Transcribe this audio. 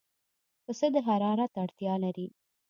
پسه د حرارت اړتیا لري.